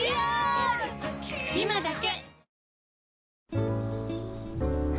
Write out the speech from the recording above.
今だけ！